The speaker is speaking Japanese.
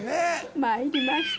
参りました。